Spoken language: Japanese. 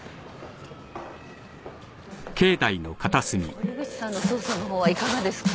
堀口さんの捜査の方はいかがですか？